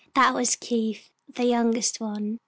"That was Keith, the youngest one.